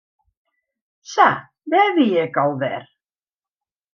Sa, dêr wie ik al wer.